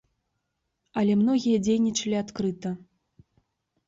Але многія дзейнічалі адкрыта.